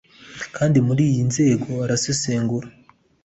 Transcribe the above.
kandi muriyi nzego, arasesengura